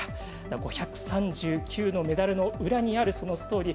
５３９のメダルの裏にあるストーリー。